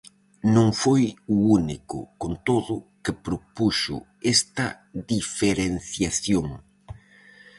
Non foi o único, con todo, que propuxo esta diferenciación.